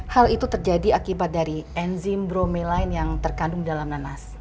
hal itu terjadi akibat dari enzim bromeline yang terkandung dalam nanas